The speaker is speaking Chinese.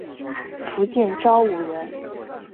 福建邵武人。